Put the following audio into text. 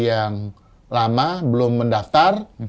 yang lama belum mendaftar